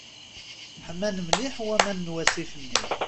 Ḥman mliḥ waman n wasif-nni.